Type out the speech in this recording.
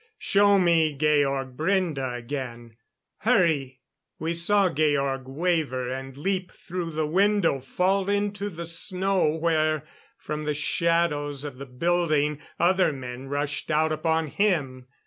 Show me Georg Brende again.... Hurry!" We saw Georg waver and leap through the window, fall into the snow, where, from the shadows of the building, other men rushed out upon him